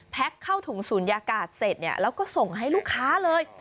เข้าถุงศูนยากาศเสร็จเนี่ยแล้วก็ส่งให้ลูกค้าเลย